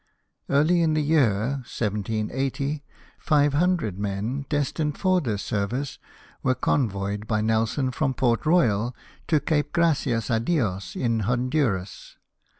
Early in the year 1780, five hundred men, destined for this service, were convoyed by Nelson from Port Royal to Cape Gracias a Dios, in Honduras.